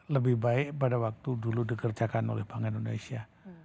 lebih baik pada waktu dulu dikerjakan oleh pangan indonesia